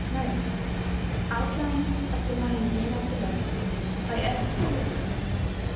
"* [*Outlines of the Maheyena Philosophy, by S. Kuroda.